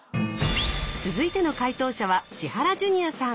続いての解答者は千原ジュニアさん。